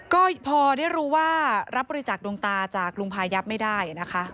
ก็พอได้รู้ว่ารับบริจาคดวงตาจากลุงพายับไม่ได้นะคะ